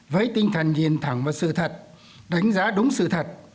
với tinh thần nhìn thẳng vào sự thật đánh giá đúng sự thật